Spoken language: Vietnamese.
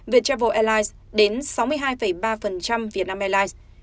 việt travel airlines đến sáu mươi hai ba việt nam airlines